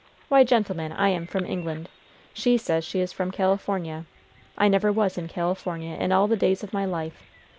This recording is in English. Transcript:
Why, gentlemen, I am from England. She says she is from California. I never was in California in all the days of my life.